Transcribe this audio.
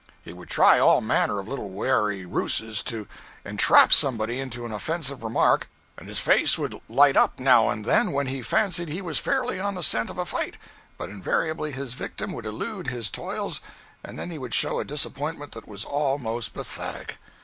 He would try all manner of little wary ruses to entrap somebody into an offensive remark, and his face would light up now and then when he fancied he was fairly on the scent of a fight, but invariably his victim would elude his toils and then he would show a disappointment that was almost pathetic.